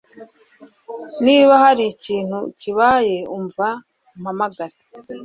Niba hari ikintu kibaye, umva umpamagare.